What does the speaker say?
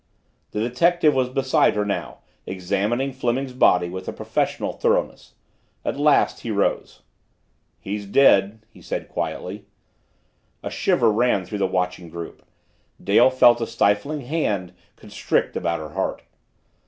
The detective was beside her now, examining Fleming's body with professional thoroughness. At last he rose. "He's dead," he said quietly. A shiver ran through the watching group. Dale felt a stifling hand constrict about her heart.